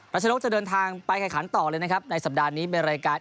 ชนกจะเดินทางไปแข่งขันต่อเลยนะครับในสัปดาห์นี้เป็นรายการ